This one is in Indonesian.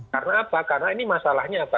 karena apa karena ini masalahnya apa